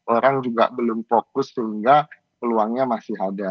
orang juga belum fokus sehingga peluangnya masih ada